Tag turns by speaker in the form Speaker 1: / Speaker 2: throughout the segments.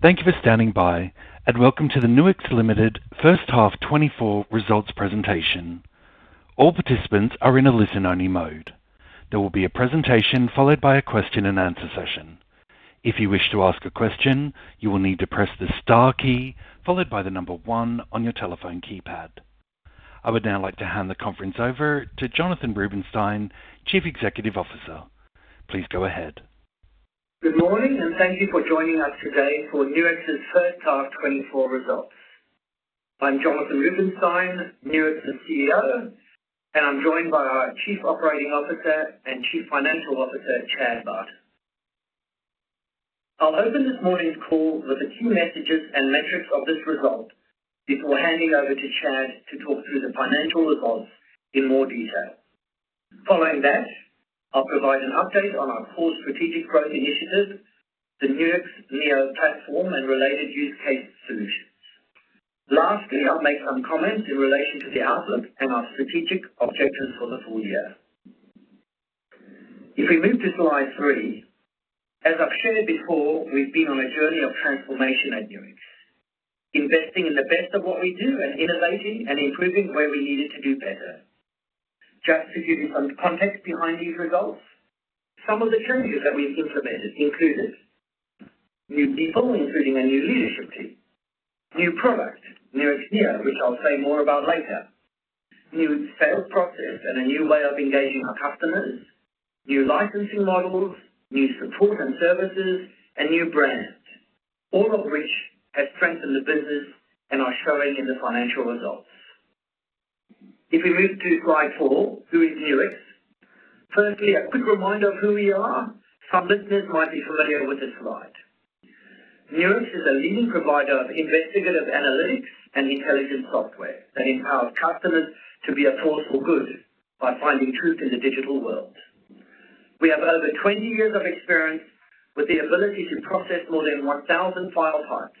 Speaker 1: Thank you for standing by, and welcome to the Nuix Limited First Half 2024 Results Presentation. All participants are in a listen-only mode. There will be a presentation followed by a question and answer session. If you wish to ask a question, you will need to press the star key followed by the number one on your telephone keypad. I would now like to hand the conference over to Jonathan Rubinsztein, Chief Executive Officer. Please go ahead.
Speaker 2: Good morning, and thank you for joining us today for Nuix's first half 2024 results. I'm Jonathan Rubinsztein, Nuix's CEO, and I'm joined by our Chief Operating Officer and Chief Financial Officer, Chad Barton. I'll open this morning's call with a few messages and metrics of this result before handing over to Chad to talk through the financial results in more detail. Following that, I'll provide an update on our core strategic growth initiative, the Nuix Neo platform, and related use case solutions. Lastly, I'll make some comments in relation to the outlook and our strategic objectives for the full year. If we move to slide three, as I've shared before, we've been on a journey of transformation at Nuix, investing in the best of what we do and innovating and improving where we needed to do better. Just to give you some context behind these results, some of the changes that we've implemented included new people, including a new leadership team, new product, Nuix Neo, which I'll say more about later, new sales process, and a new way of engaging our customers, new licensing models, new support and services, and new brand, all of which have strengthened the business and are showing in the financial results. If we move to slide four, who is Nuix? Firstly, a quick reminder of who we are. Some listeners might be familiar with this slide. Nuix is a leading provider of investigative analytics and intelligence software that empowers customers to be a force for good by finding truth in the digital world. We have over 20 years of experience with the ability to process more than 1,000 file types.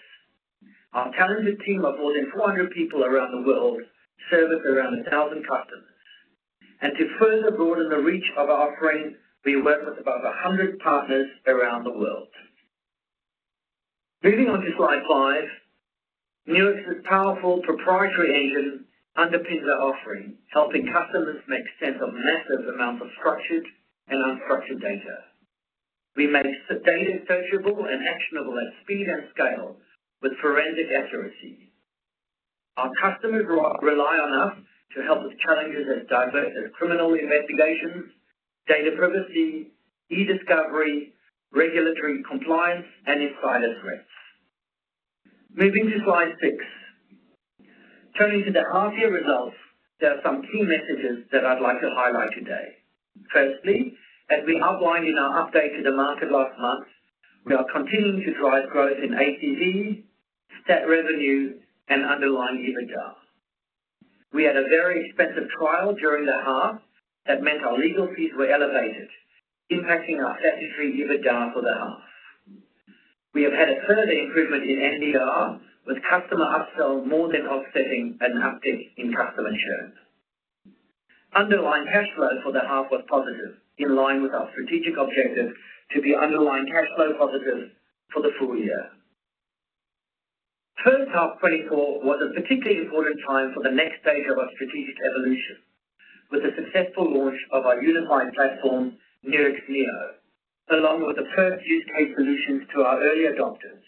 Speaker 2: Our talented team of more than 400 people around the world service around 1,000 customers. To further broaden the reach of our offering, we work with about 100 partners around the world. Moving on to slide five, Nuix's powerful proprietary engine underpins our offering, helping customers make sense of massive amounts of structured and unstructured data. We make data searchable and actionable at speed and scale with forensic accuracy. Our customers rely on us to help with challenges as diverse as criminal Investigations, Data Privacy, e-discovery, regulatory compliance, and insider threats. Moving to slide six, turning to the half-year results, there are some key messages that I'd like to highlight today. Firstly, as we outlined in our update to the market last month, we are continuing to drive growth in ACV, stat revenue, and underlying EBITDA. We had a very expensive trial during the half that meant our legal fees were elevated, impacting our statutory EBITDA for the half. We have had a further improvement in NDR with customer upsell more than offsetting an uptick in customer churn. Underlying cash flow for the half was positive, in line with our strategic objective to be underlying cash flow positive for the full year. First half 2024 was a particularly important time for the next stage of our strategic evolution with the successful launch of our unified platform, Nuix Neo, along with the first use case solutions to our early adopters.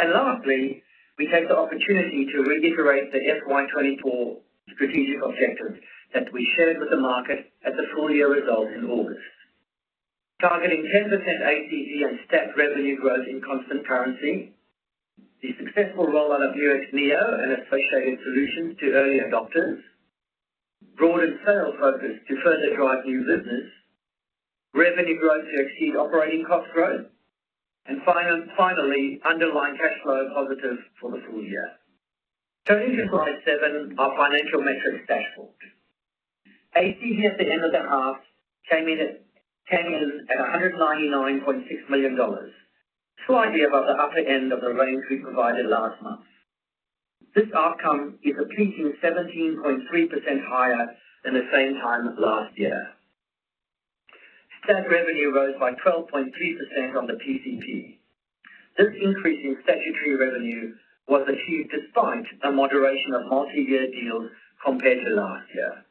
Speaker 2: Lastly, we take the opportunity to reiterate the FY 2024 strategic objectives that we shared with the market at the full year result in August, targeting 10% ACV and Stat revenue growth in constant currency, the successful rollout of Nuix Neo and associated solutions to early adopters, broadened sales focus to further drive new business, revenue growth to exceed operating cost growth, and finally, underlying cash flow positive for the full year. Turning to slide seven, our financial metrics dashboard. ACV at the end of the half came in at 199.6 million dollars, slightly above the upper end of the range we provided last month. This outcome is a pleasing 17.3% higher than the same time last year. Stat revenue rose by 12.3% on the PCP. This increase in statutory revenue was achieved despite a moderation of multi-year deals compared to last year.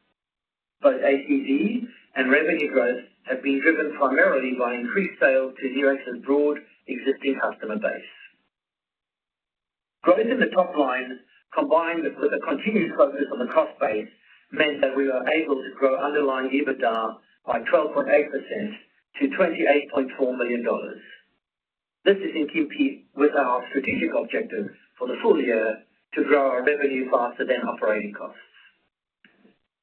Speaker 2: Both ACV and revenue growth have been driven primarily by increased sales to Nuix's broad existing customer base. Growth in the top line, combined with a continued focus on the cost base, meant that we were able to grow underlying EBITDA by 12.8% to 28.4 million dollars. This is in keeping with our strategic objective for the full year to grow our revenue faster than operating costs.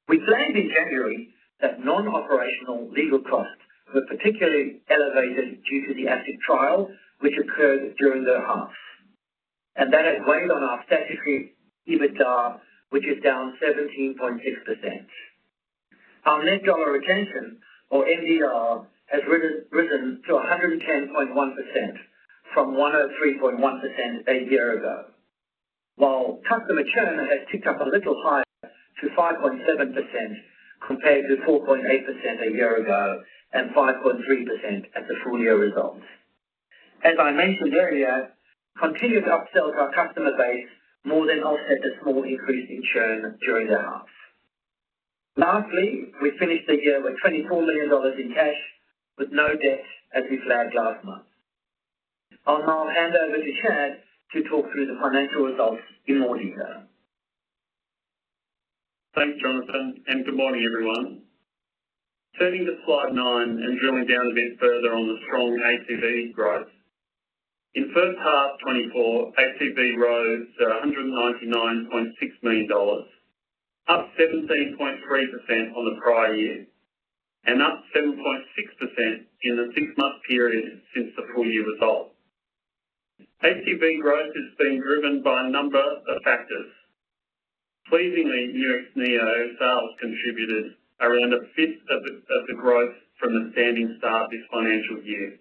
Speaker 2: We claimed in January that non-operational legal costs were particularly elevated due to the ASIC trial, which occurred during the half, and that had weighed on our statutory EBITDA, which is down 17.6%. Our net dollar retention, or NDR, has risen to 110.1% from 103.1% a year ago, while customer churn has ticked up a little higher to 5.7% compared to 4.8% a year ago and 5.3% at the full year results. As I mentioned earlier, continued upsells to our customer base more than offset the small increase in churn during the half. Lastly, we finished the year with 24 million dollars in cash with no debt as we flagged last month. I'll now hand over to Chad to talk through the financial results in more detail.
Speaker 3: Thanks, Jonathan, and good morning, everyone. Turning to slide nine and drilling down a bit further on the strong ACV growth, in first half 2024, ACV rose to AUD 199.6 million, up 17.3% on the prior year, and up 7.6% in the six-month period since the full year result. ACV growth has been driven by a number of factors. Pleasingly, Nuix Neo sales contributed around a fifth of the growth from the standing start this financial year.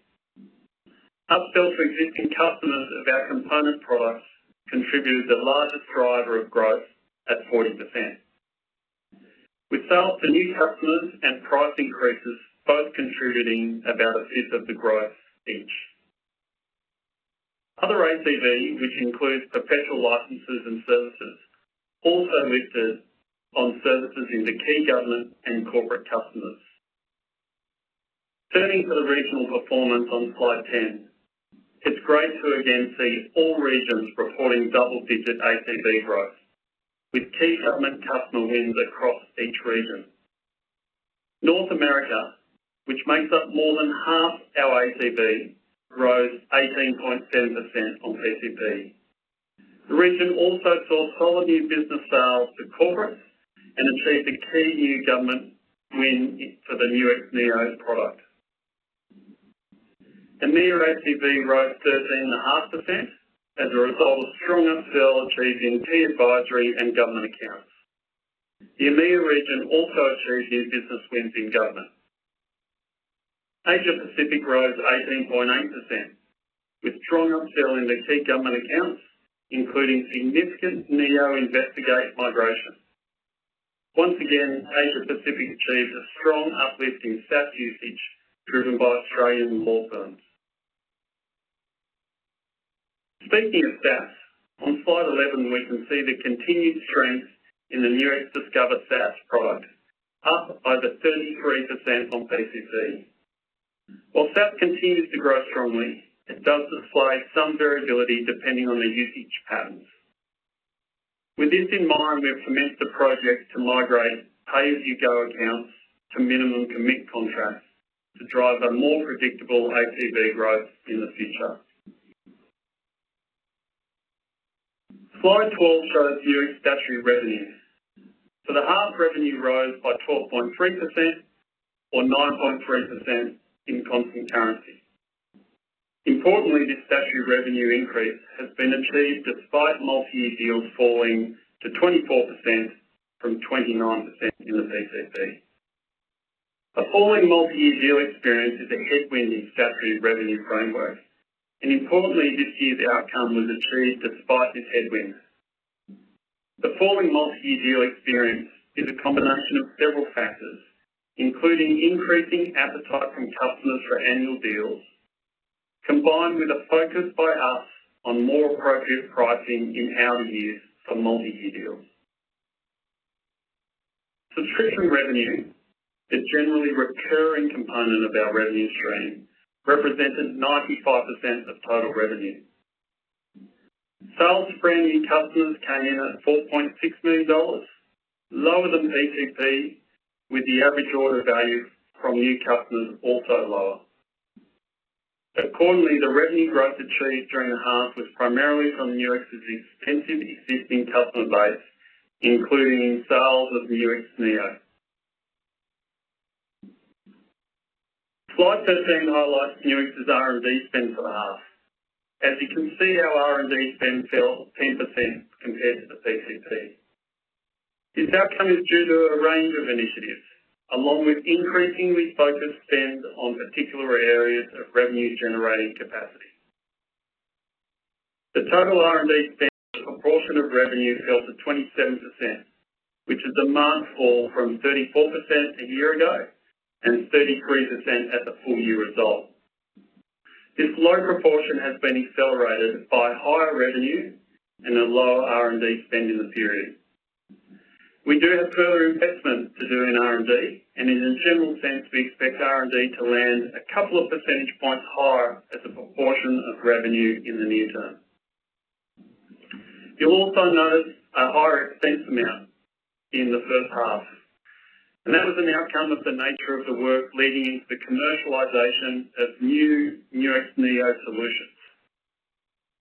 Speaker 3: Upsells to existing customers of our component products contributed the largest driver of growth at 40%. We sell to new customers and price increases, both contributing about a fifth of the growth each. Other ACV, which includes perpetual licenses and services, also lifted on services into key government and corporate customers. Turning to the regional performance on slide 10, it's great to again see all regions reporting double-digit ACV growth with key government customer wins across each region. North America, which makes up more than half our ACV, rose 18.7% on PCP. The region also saw solid new business sales to corporates and achieved a key new government win for the Nuix Neo product. EMEA ACV rose 13.5% as a result of strong upsell achieving key advisory and government accounts. The EMEA region also achieved new business wins in government. Asia Pacific rose 18.8% with strong upsell in the key government accounts, including significant Nuix Neo Investigations migration. Once again, Asia Pacific achieved a strong uplift in SaaS usage driven by Australian law firms. Speaking of SaaS, on slide 11, we can see the continued strength in the Nuix Discover SaaS product, up over 33% on PCP. While SaaS continues to grow strongly, it does display some variability depending on the usage patterns. With this in mind, we've commenced a project to migrate pay-as-you-go accounts to minimum commit contracts to drive a more predictable ACV growth in the future. Slide 12 shows Nuix statutory revenue. For the half, revenue rose by 12.3% or 9.3% in constant currency. Importantly, this statutory revenue increase has been achieved despite multi-year deals falling to 24% from 29% in the PCP. A falling multi-year deal experience is a headwind in statutory revenue frameworks, and importantly, this year's outcome was achieved despite this headwind. The falling multi-year deal experience is a combination of several factors, including increasing appetite from customers for annual deals, combined with a focus by us on more appropriate pricing in out-of-year for multi-year deals. Subscription revenue, the generally recurring component of our revenue stream, represented 95% of total revenue. Sales for brand new customers came in at 4.6 million dollars, lower than PCP, with the average order value from new customers also lower. Accordingly, the revenue growth achieved during the half was primarily from Nuix's expensive existing customer base, including sales of Nuix Neo. Slide 13 highlights Nuix's R&D spend for the half. As you can see, our R&D spend fell 10% compared to the PCP. This outcome is due to a range of initiatives, along with increasingly focused spend on particular areas of revenue-generating capacity. The total R&D spend proportion of revenue fell to 27%, which is a marked fall from 34% a year ago and 33% at the full year result. This low proportion has been accelerated by higher revenue and a lower R&D spend in the period. We do have further investment to do in R&D, and in a general sense, we expect R&D to land a couple of percentage points higher as a proportion of revenue in the near term. You'll also notice a higher expense amount in the first half, and that was an outcome of the nature of the work leading into the commercialization of new Nuix Neo solutions,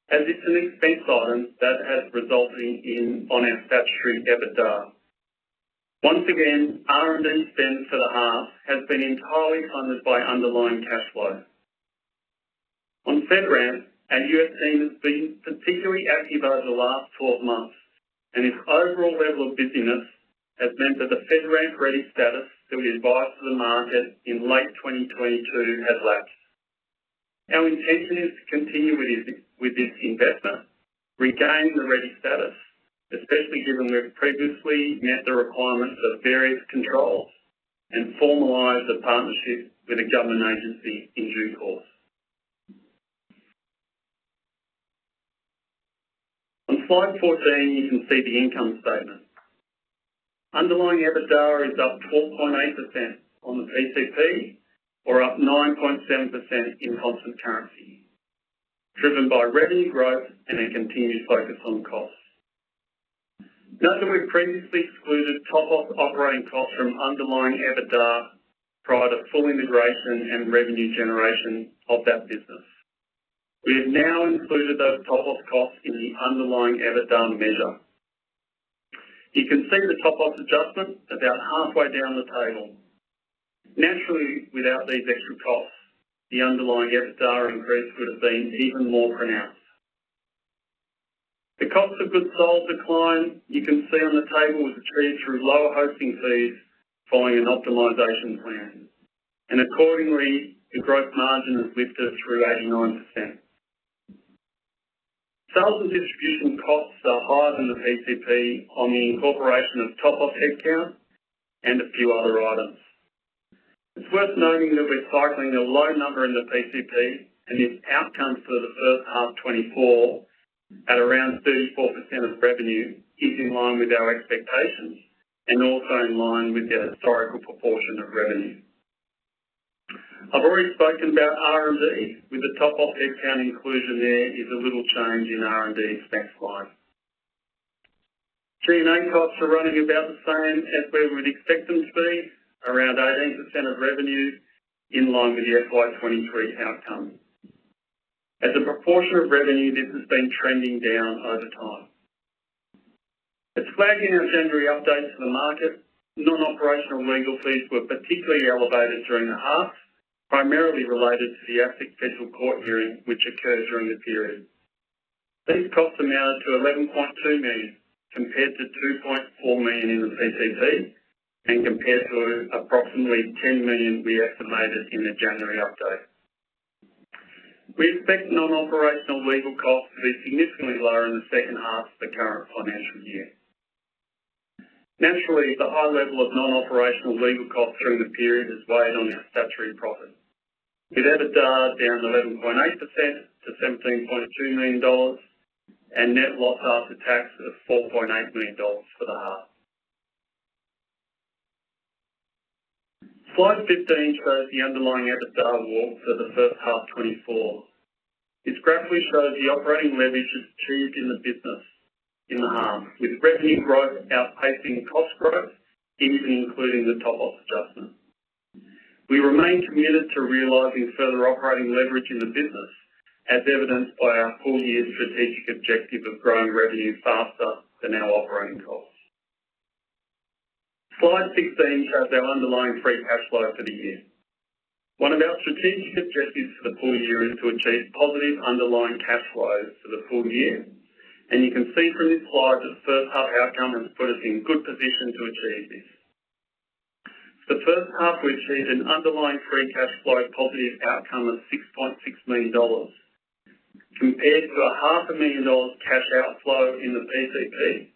Speaker 3: as it's an expense item that has resulted on our statutory EBITDA. Once again, R&D spend for the half has been entirely funded by underlying cash flow. On FedRAMP, our U.S. team has been particularly active over the last 12 months, and this overall level of busyness has meant that the FedRAMP ready status that we advised to the market in late 2022 has lapsed. Our intention is to continue with this investment, regain the ready status, especially given we've previously met the requirements of various controls and formalized a partnership with a government agency in due course. On slide 14, you can see the income statement. Underlying EBITDA is up 12.8% on the PCP or up 9.7% in constant currency, driven by revenue growth and a continued focus on costs. Note that we've previously excluded Topos operating costs from underlying EBITDA prior to full integration and revenue generation of that business. We have now included those Topos costs in the underlying EBITDA measure. You can see the Topos adjustment about halfway down the table. Naturally, without these extra costs, the underlying EBITDA increase would have been even more pronounced. The cost of goods sold declined, you can see on the table, was achieved through lower hosting fees following an optimization plan, and accordingly, the gross margin is lifted through 89%. Sales and distribution costs are higher than the PCP on the incorporation of Topos headcount and a few other items. It's worth noting that we're cycling a low number in the PCP, and this outcome for the first half 2024 at around 34% of revenue is in line with our expectations and also in line with the historical proportion of revenue. I've already spoken about R&D, with the Topos headcount inclusion there is a little change in R&D expense line. G&A costs are running about the same as we would expect them to be, around 18% of revenue in line with the FY 2023 outcome. As a proportion of revenue, this has been trending down over time. As flagged in our January update to the market, non-operational legal fees were particularly elevated during the half, primarily related to the ASIC federal court hearing, which occurred during the period. These costs amounted to 11.2 million compared to 2.4 million in the PCP and compared to approximately 10 million we estimated in the January update. We expect non-operational legal costs to be significantly lower in the second half of the current financial year. Naturally, the high level of non-operational legal costs during the period has weighed on our statutory profit with EBITDA down 11.8% to 17.2 million dollars and net loss after tax of 4.8 million dollars for the half. Slide 15 shows the underlying EBITDA walk for the first half 2024. This graphically shows the operating leverage achieved in the business in the half, with revenue growth outpacing cost growth, even including the Topos adjustment. We remain committed to realizing further operating leverage in the business, as evidenced by our full year strategic objective of growing revenue faster than our operating costs. Slide 16 shows our underlying free cash flow for the year. One of our strategic objectives for the full year is to achieve positive underlying cash flows for the full year, and you can see from this slide that the first half outcome has put us in good position to achieve this. For the first half, we achieved an underlying free cash flow positive outcome of 6.6 million dollars compared to 500,000 dollars cash outflow in the PCP, and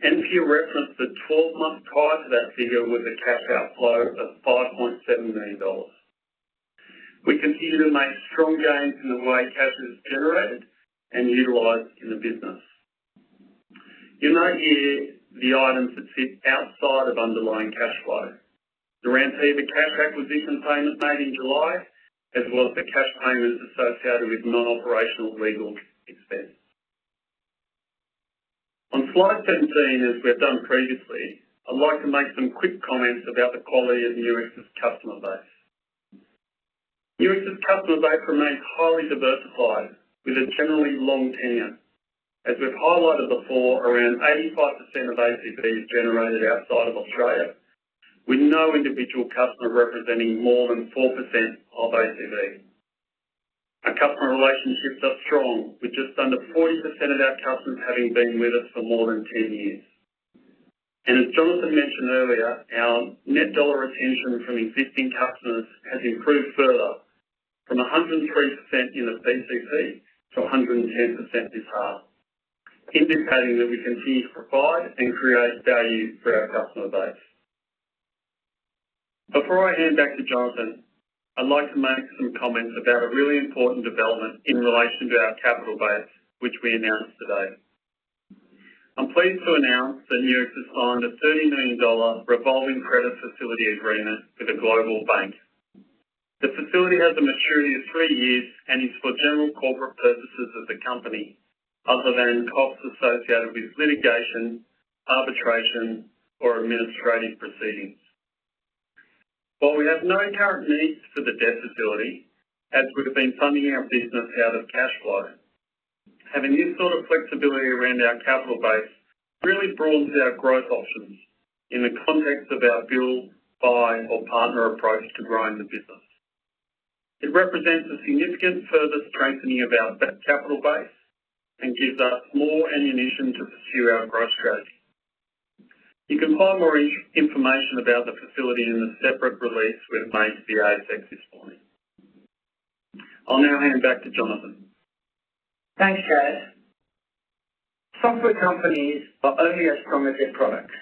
Speaker 3: for your reference, the 12 months prior to that figure was a cash outflow of 5.7 million dollars. We continue to make strong gains in the way cash is generated and utilized in the business. In that year, the items that sit outside of underlying cash flow: the Rampiva cash acquisition payment made in July, as well as the cash payments associated with non-operational legal expense. On slide 17, as we've done previously, I'd like to make some quick comments about the quality of Nuix's customer base. Nuix's customer base remains highly diversified with a generally long tenure. As we've highlighted before, around 85% of ACV is generated outside of Australia, with no individual customer representing more than 4% of ACV. Our customer relationships are strong, with just under 40% of our customers having been with us for more than 10 years. And as Jonathan mentioned earlier, our net dollar retention from existing customers has improved further from 103% in the PCP to 110% this half, indicating that we continue to provide and create value for our customer base. Before I hand back to Jonathan, I'd like to make some comments about a really important development in relation to our capital base, which we announced today. I'm pleased to announce that Nuix has signed a 30 million dollar revolving credit facility agreement with a global bank. The facility has a maturity of three years and is for general corporate purposes of the company, other than costs associated with litigation, arbitration, or administrative proceedings. While we have no current needs for the debt facility, as we've been funding our business out of cash flow, having this sort of flexibility around our capital base really broadens our growth options in the context of our build, buy, or partner approach to growing the business. It represents a significant further strengthening of our capital base and gives us more ammunition to pursue our growth strategy. You can find more information about the facility in a separate release we've made to the ASIC this morning. I'll now hand back to Jonathan.
Speaker 2: Thanks, Chad Barton. Software companies are only as strong as their products,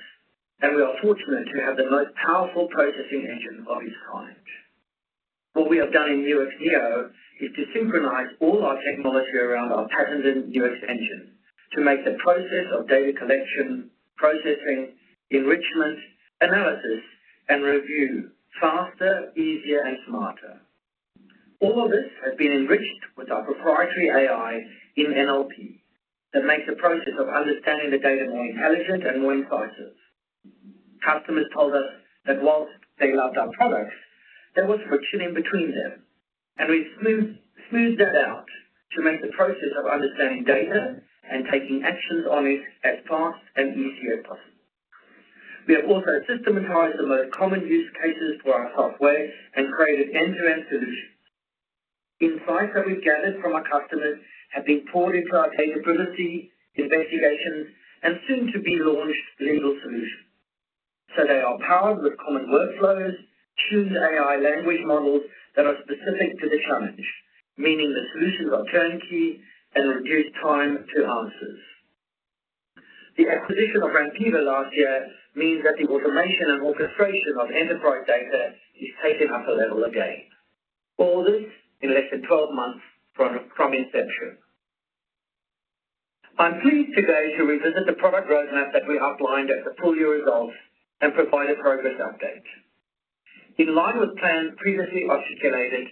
Speaker 2: and we are fortunate to have the most powerful processing engine of its kind. What we have done in Nuix Neo is to synchronize all our technology around our patented Nuix Engine to make the process of data collection, processing, enrichment, analysis, and review faster, easier, and smarter. All of this has been enriched with our proprietary AI in NLP that makes the process of understanding the data more intelligent and more incisive. Customers told us that while they loved our products, there was friction in between them, and we've smoothed that out to make the process of understanding data and taking actions on it as fast and easy as possible. We have also systematised the most common use cases for our software and created end-to-end solutions. Insights that we've gathered from our customers have been poured into our Data Privacy Investigations and soon-to-be-launched legal solutions, so they are powered with common workflows, tuned AI language models that are specific to the challenge, meaning the solutions are turnkey and reduce time to answers. The acquisition of Rampiva last year means that the automation and orchestration of enterprise data is taken up a level again. All this in less than 12 months from inception. I'm pleased today to revisit the product roadmap that we outlined at the full year results and provide a progress update. In line with plans previously articulated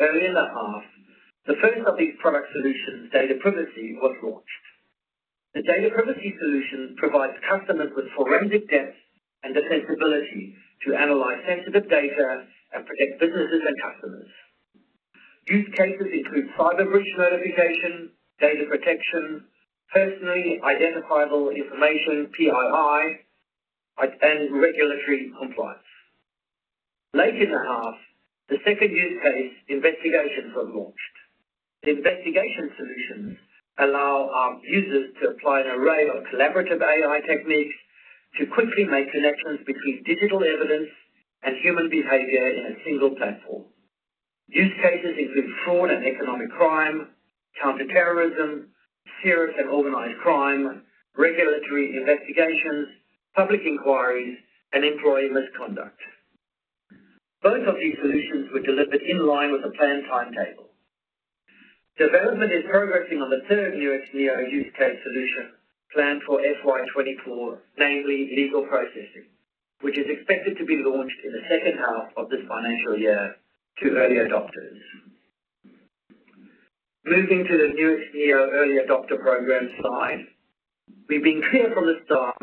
Speaker 2: earlier in the half, the first of these product solutions, Data Privacy, was launched. The Data Privacy solution provides customers with forensic depth and defensibility to analyze sensitive data and protect businesses and customers. Use cases include cyber breach notification, data protection, personally identifiable information (PII), and regulatory compliance. Late in the half, the second use case, Investigations, was launched. The investigation solutions allow our users to apply an array of collaborative AI techniques to quickly make connections between digital evidence and human behavior in a single platform. Use cases include fraud and economic crime, counterterrorism, serious and organized crime, regulatory Investigations, public inquiries, and employee misconduct. Both of these solutions were delivered in line with a planned timetable. Development is progressing on the third Nuix Neo use case solution planned for FY 2024, namely Legal Processing, which is expected to be launched in the second half of this financial year to early adopters. Moving to the Nuix Neo early adopter program slide, we've been clear from the start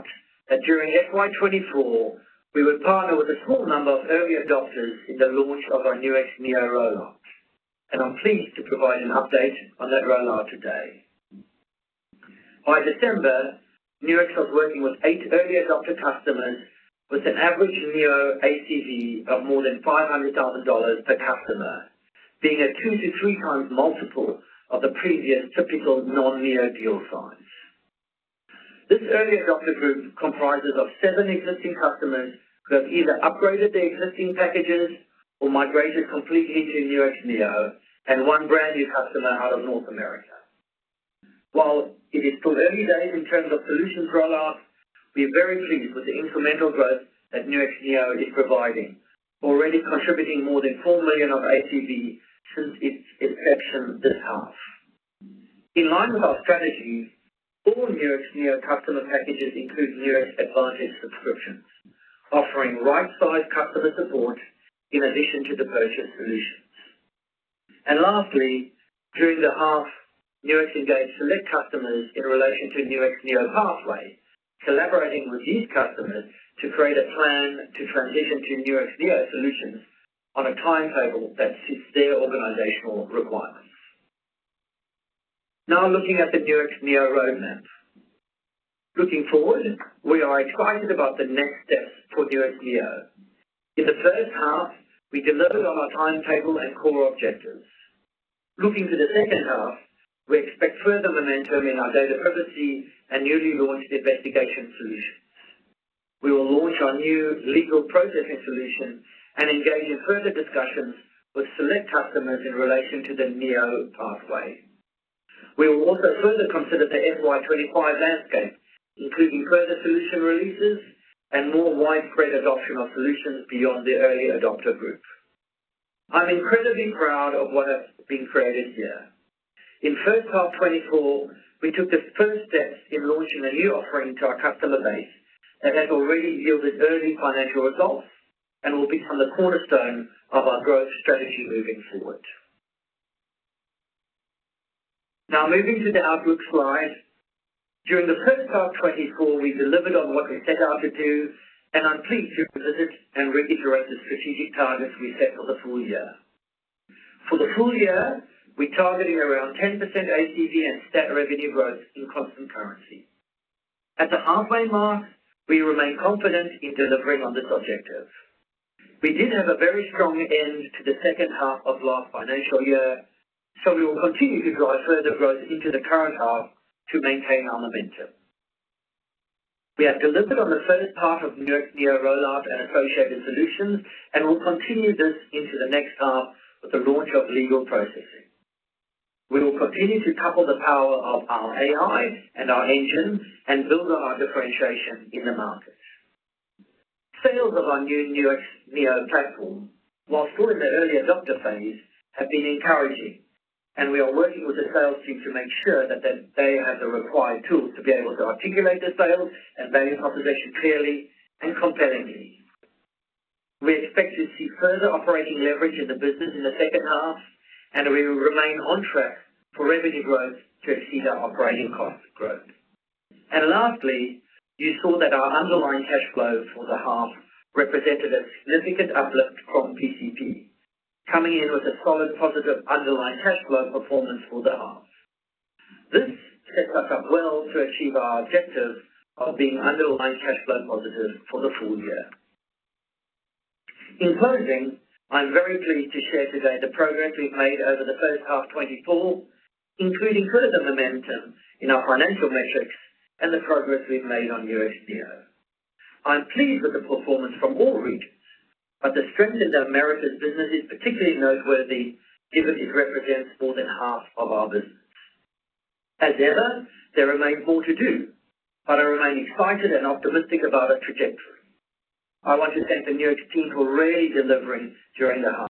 Speaker 2: that during FY 2024, we would partner with a small number of early adopters in the launch of our Nuix Neo rollout, and I'm pleased to provide an update on that rollout today. By December, Nuix was working with eight early adopter customers with an average Neo ACV of more than 500,000 dollars per customer, being a 2x to 3x multiple of the previous typical non-Neo deal size. This early adopter group comprises of seven existing customers who have either upgraded their existing packages or migrated completely to Nuix Neo and one brand new customer out of North America. While it is still early days in terms of solutions rollout, we are very pleased with the incremental growth that Nuix Neo is providing, already contributing more than 4 million of ACV since its inception this half. In line with our strategy, all Nuix Neo customer packages include Nuix Advantage subscriptions, offering right-sized customer support in addition to the purchase solutions. And lastly, during the half, Nuix engaged select customers in relation to Nuix Neo Pathway, collaborating with these customers to create a plan to transition to Nuix Neo solutions on a timetable that suits their organizational requirements. Now looking at the Nuix Neo roadmap. Looking forward, we are excited about the next steps for Nuix Neo. In the first half, we delivered on our timetable and core objectives. Looking to the second half, we expect further momentum in our Data Privacy and newly launched investigation solutions. We will launch our new Legal Processing solution and engage in further discussions with select customers in relation to the Nuix Neo Pathway. We will also further consider the FY 2025 landscape, including further solution releases and more widespread adoption of solutions beyond the early adopter group. I'm incredibly proud of what has been created here. In first half 2024, we took the first steps in launching a new offering to our customer base that has already yielded early financial results and will become the cornerstone of our growth strategy moving forward. Now moving to the outlook slide. During the first half 2024, we delivered on what we set out to do, and I'm pleased to revisit and reiterate the strategic targets we set for the full year. For the full year, we're targeting around 10% ACV and stat revenue growth in constant currency. At the halfway mark, we remain confident in delivering on this objective. We did have a very strong end to the second half of last financial year, so we will continue to drive further growth into the current half to maintain our momentum. We have delivered on the first part of Nuix Neo rollout and associated solutions and will continue this into the next half with the launch of Legal Processing. We will continue to couple the power of our AI and our engine and build on our differentiation in the market. Sales of our new Nuix Neo platform, while still in the early adopter phase, have been encouraging, and we are working with the sales team to make sure that they have the required tools to be able to articulate the sales and value proposition clearly and compellingly. We expect to see further operating leverage in the business in the second half, and we will remain on track for revenue growth to exceed our operating cost growth. Lastly, you saw that our underlying cash flow for the half represented a significant uplift from PCP, coming in with a solid positive underlying cash flow performance for the half. This sets us up well to achieve our objective of being underlying cash flow positive for the full year. In closing, I'm very pleased to share today the progress we've made over the first half 2024, including further momentum in our financial metrics and the progress we've made on Nuix Neo. I'm pleased with the performance from all regions, but the strength in America's business is particularly noteworthy given it represents more than half of our business. As ever, there remains more to do, but I remain excited and optimistic about our trajectory. I want to thank the Nuix team for really delivering during the half,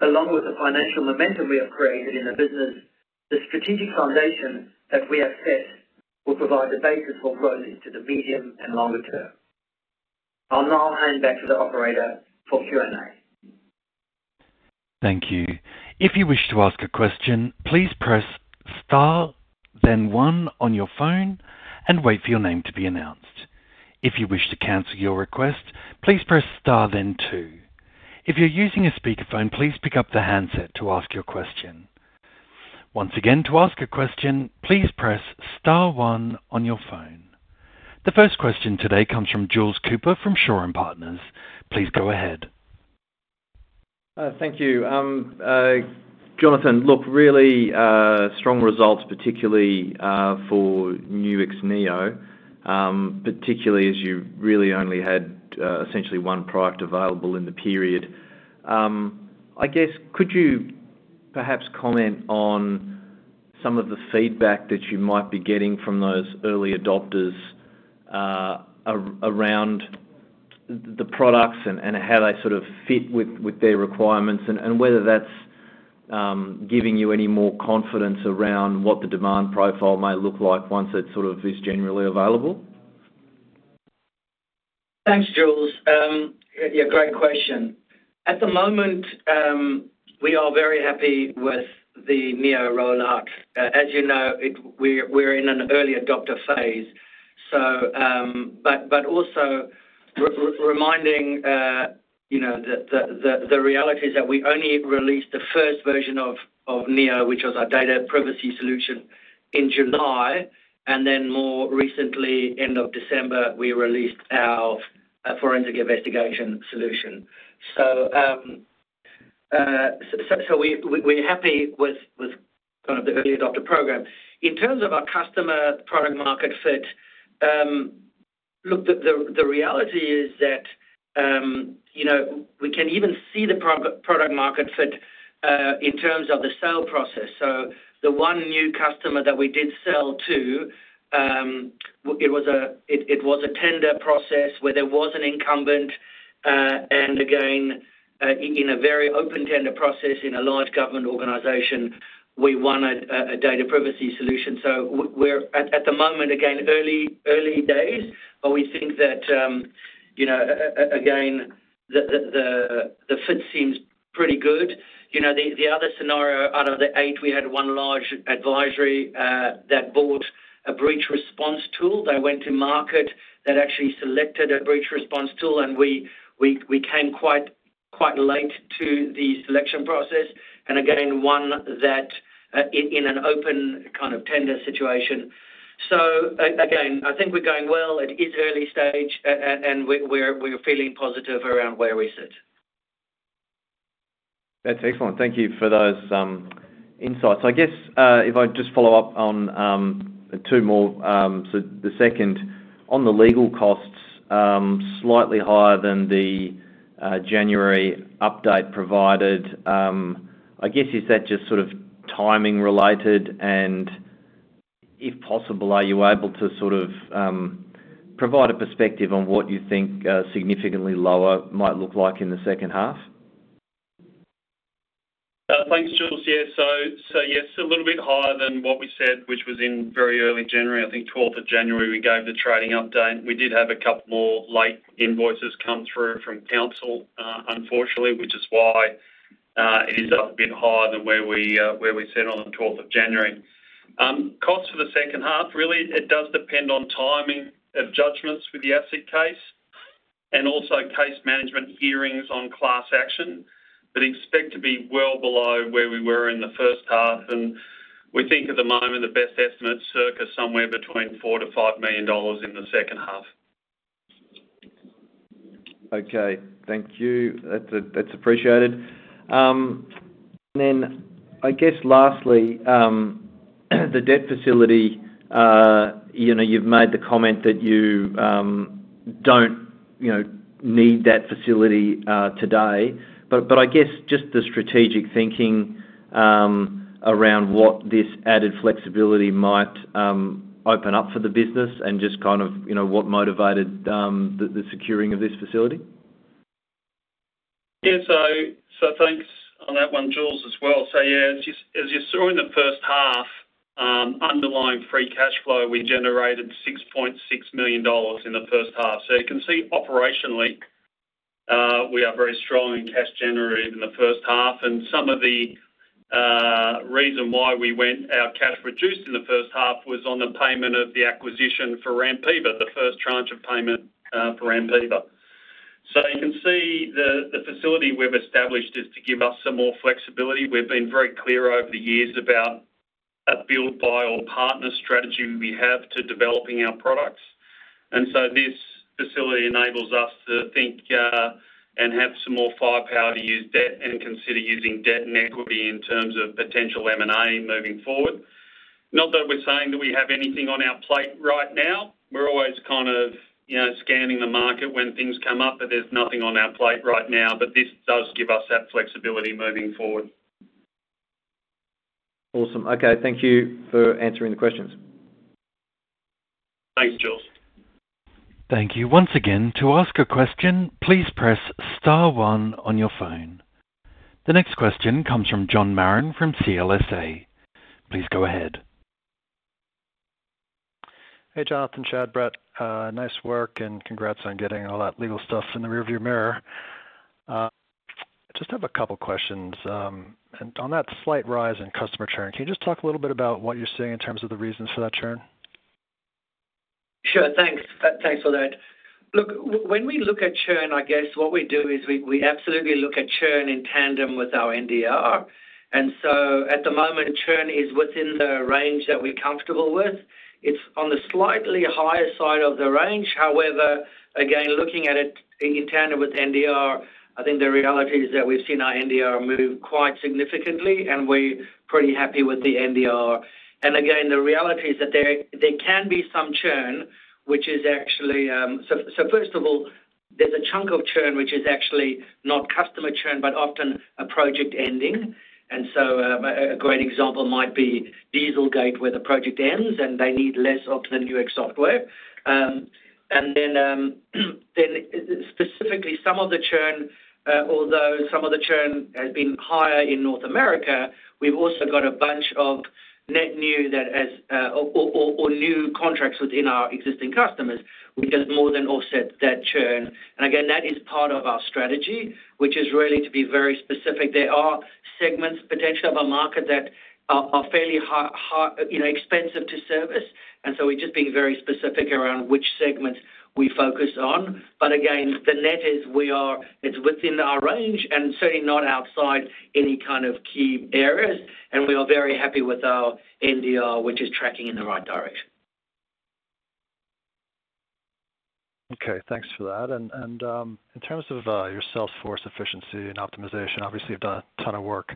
Speaker 2: along with the financial momentum we have created in the business. The strategic foundation that we have set will provide the basis for growth into the medium and longer term. I'll now hand back to the operator for Q&A.
Speaker 1: Thank you. If you wish to ask a question, please press star, then one on your phone, and wait for your name to be announced. If you wish to cancel your request, please press star, then two. If you're using a speakerphone, please pick up the handset to ask your question. Once again, to ask a question, please press star, one on your phone. The first question today comes from Jules Cooper from Shaw and Partners. Please go ahead.
Speaker 4: Thank you. Jonathan, look, really strong results, particularly for Nuix Neo, particularly as you really only had essentially one product available in the period. I guess, could you perhaps comment on some of the feedback that you might be getting from those early adopters around the products and how they sort of fit with their requirements, and whether that's giving you any more confidence around what the demand profile may look like once it sort of is generally available?
Speaker 2: Thanks, Jules. Yeah, great question. At the moment, we are very happy with the Neo rollout. As you know, we're in an early adopter phase, so. But also reminding the reality is that we only released the first version of Neo, which was our Data Privacy solution, in July, and then more recently, end of December, we released our forensic investigation solution. So we're happy with kind of the early adopter program. In terms of our customer product market fit, look, the reality is that we can even see the product market fit in terms of the sale process. So the one new customer that we did sell to, it was a tender process where there was an incumbent. And again, in a very open tender process in a large government organization, we wanted a Data Privacy solution. So we're, at the moment, again, early days, but we think that, again, the fit seems pretty good. The other scenario out of the eight, we had one large advisory that bought a breach response tool. They went to market that actually selected a breach response tool, and we came quite late to the selection process, and again, won that in an open kind of tender situation. So again, I think we're going well. It is early stage, and we're feeling positive around where we sit.
Speaker 4: That's excellent. Thank you for those insights. I guess if I just follow up on two more. The second, on the legal costs, slightly higher than the January update provided, I guess, is that just sort of timing related? And if possible, are you able to sort of provide a perspective on what you think significantly lower might look like in the second half?
Speaker 3: Thanks, Jules. Yeah. So yes, a little bit higher than what we said, which was in very early January. I think 12th of January, we gave the trading update. We did have a couple more late invoices come through from counsel, unfortunately, which is why it is up a bit higher than where we set on the 12th of January. Cost for the second half, really, it does depend on timing of judgments for the ASIC case and also case management hearings on class action, but expect to be well below where we were in the first half. We think at the moment, the best estimates circle somewhere between 4 million-5 million dollars in the second half.
Speaker 4: Okay. Thank you. That's appreciated. And then I guess lastly, the debt facility, you've made the comment that you don't need that facility today, but I guess just the strategic thinking around what this added flexibility might open up for the business and just kind of what motivated the securing of this facility?
Speaker 3: Yeah. So thanks on that one, Jules, as well. So yeah, as you saw in the first half, underlying free cash flow, we generated 6.6 million dollars in the first half. So you can see operationally, we are very strong in cash generative in the first half. And some of the reason why our cash reduced in the first half was on the payment of the acquisition for Rampiva, the first tranche of payment for Rampiva. So you can see the facility we've established is to give us some more flexibility. We've been very clear over the years about a build-by-all partner strategy we have to developing our products. And so this facility enables us to think and have some more firepower to use debt and consider using debt and equity in terms of potential M&A moving forward. Not that we're saying that we have anything on our plate right now. We're always kind of scanning the market when things come up, but there's nothing on our plate right now. But this does give us that flexibility moving forward.
Speaker 4: Awesome. Okay. Thank you for answering the questions.
Speaker 3: Thanks, Jules.
Speaker 1: Thank you. Once again, to ask a question, please press star, one on your phone. The next question comes from John Marrin from CLSA. Please go ahead.
Speaker 5: Hey, Jonathan. Chad Barton. Nice work, and congrats on getting all that legal stuff in the rearview mirror. Just have a couple questions. On that slight rise in customer churn, can you just talk a little bit about what you're seeing in terms of the reasons for that churn?
Speaker 2: Sure. Thanks for that. Look, when we look at churn, I guess what we do is we absolutely look at churn in tandem with our NDR. And so at the moment, churn is within the range that we're comfortable with. It's on the slightly higher side of the range. However, again, looking at it in tandem with NDR, I think the reality is that we've seen our NDR move quite significantly, and we're pretty happy with the NDR. And again, the reality is that there can be some churn, which is actually so first of all, there's a chunk of churn which is actually not customer churn but often a project ending. And so a great example might be Dieselgate where the project ends, and they need less of the Nuix software. And then specifically, some of the churn although some of the churn has been higher in North America, we've also got a bunch of net new or new contracts within our existing customers, which has more than offset that churn. And again, that is part of our strategy, which is really to be very specific. There are segments potentially of our market that are fairly expensive to service, and so we're just being very specific around which segments we focus on. But again, the net is it's within our range and certainly not outside any kind of key areas. And we are very happy with our NDR, which is tracking in the right direction.
Speaker 5: Okay. Thanks for that. And in terms of your sales force efficiency and optimization, obviously, you've done a ton of work.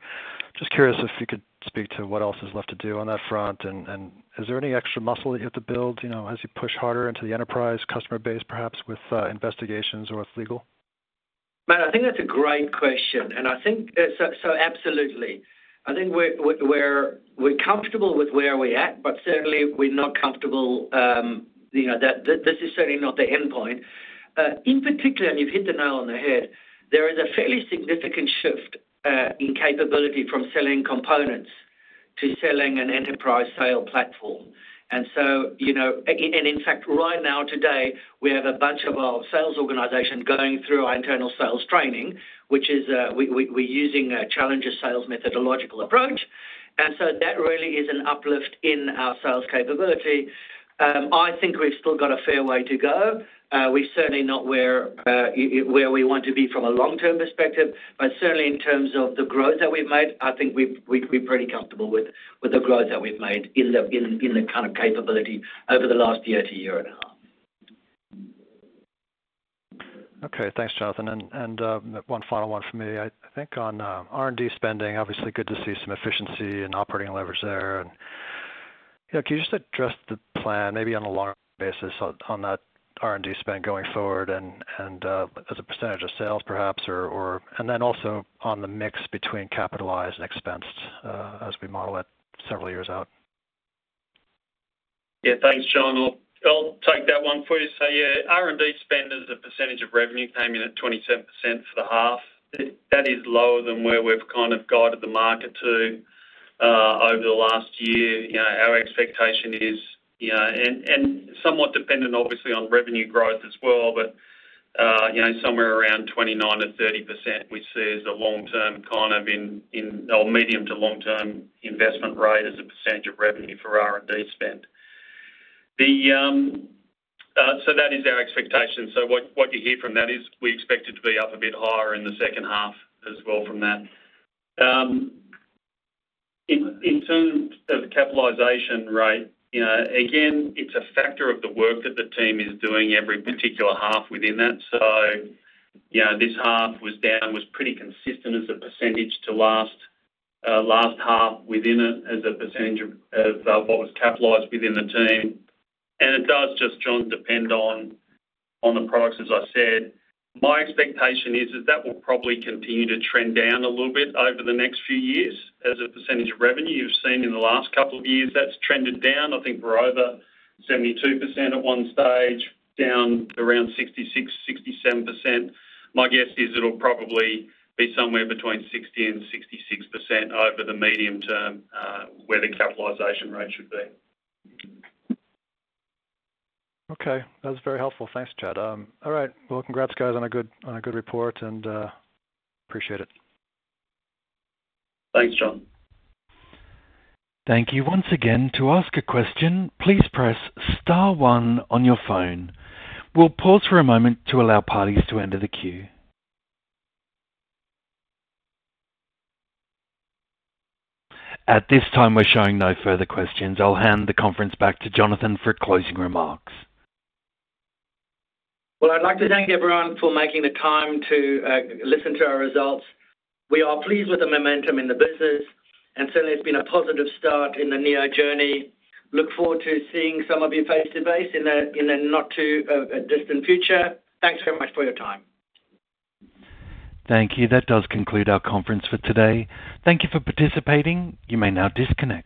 Speaker 5: Just curious if you could speak to what else is left to do on that front, and is there any extra muscle that you have to build as you push harder into the enterprise customer base, perhaps with Investigations or with legal?
Speaker 2: Matt, I think that's a great question. So, absolutely. I think we're comfortable with where we're at, but certainly, we're not comfortable. This is certainly not the endpoint. In particular, and you've hit the nail on the head, there is a fairly significant shift in capability from selling components to selling an enterprise sale platform. In fact, right now, today, we have a bunch of our sales organization going through our internal sales training, which is, we're using a challenger sales methodological approach. So, that really is an uplift in our sales capability. I think we've still got a fair way to go. We're certainly not where we want to be from a long-term perspective. Certainly, in terms of the growth that we've made, I think we're pretty comfortable with the growth that we've made in the kind of capability over the last year to year and a half.
Speaker 5: Okay. Thanks, Jonathan. And one final one for me, I think, on R&D spending. Obviously, good to see some efficiency and operating leverage there. And can you just address the plan, maybe on a longer basis, on that R&D spend going forward and as a percentage of sales, perhaps, or and then also on the mix between capitalized and expensed as we model it several years out?
Speaker 3: Yeah. Thanks, John. I'll take that one for you. So yeah, R&D spend as a percentage of revenue came in at 27% for the half. That is lower than where we've kind of guided the market to over the last year. Our expectation is and somewhat dependent, obviously, on revenue growth as well, but somewhere around 29% or 30% we see as a long-term kind of in or medium to long-term investment rate as a percentage of revenue for R&D spend. So that is our expectation. So what you hear from that is we expect it to be up a bit higher in the second half as well from that. In terms of capitalization rate, again, it's a factor of the work that the team is doing every particular half within that. So this half was down, was pretty consistent as a percentage to last half within it as a percentage of what was capitalised within the team. And it does, just, John, depend on the products, as I said. My expectation is that will probably continue to trend down a little bit over the next few years as a percentage of revenue. You've seen in the last couple of years, that's trended down. I think we're over 72% at one stage, down around 66% to 67%. My guess is it'll probably be somewhere between 60% to 66% over the medium term where the capitalisation rate should be.
Speaker 5: Okay. That was very helpful. Thanks, Chad. All right. Well, congrats, guys, on a good report, and appreciate it.
Speaker 3: Thanks, John.
Speaker 1: Thank you. Once again, to ask a question, please press star, one on your phone. We'll pause for a moment to allow parties to enter the queue. At this time, we're showing no further questions. I'll hand the conference back to Jonathan for closing remarks.
Speaker 2: Well, I'd like to thank everyone for making the time to listen to our results. We are pleased with the momentum in the business, and certainly, it's been a positive start in the Nuix Neo journey. Look forward to seeing some of you face to face in the not too distant future. Thanks very much for your time.
Speaker 1: Thank you. That does conclude our conference for today. Thank you for participating. You may now disconnect.